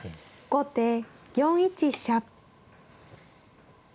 後手４一飛車。